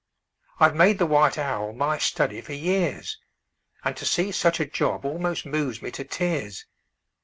I've made the white owl my study for years, And to see such a job almost moves me to tears!